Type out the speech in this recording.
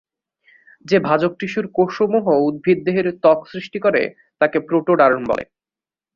যে ভাজক টিস্যুর কোষসমূহ উদ্ভিদ দেহের ত্বক সৃষ্টি করে, তাকে প্রোটোডার্ম বলে।